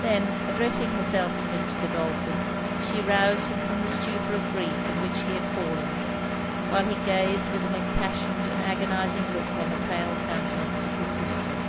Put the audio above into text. Then addressing herself to Mr. Godolphin, she roused him from the stupor of grief in which he had fallen, while he gazed with an impassioned and agonizing look on the pale countenance of his sister.